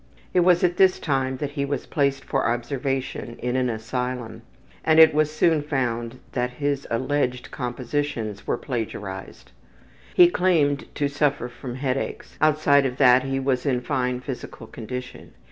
It was at this time that he was placed for observation in an asylum and it was soon found that his alleged compositions were plagiarized. He claimed to suffer from headaches. Outside of that he was in fine physical condition.